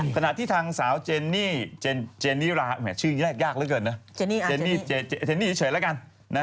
ขณะที่ทางสาวเจนี่ราชื่อนี้แรกยากแล้วเกินนะเจนี่เฉยแล้วกัน